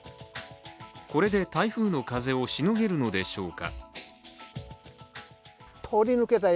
これで台風の風をしのげるのでしょうか。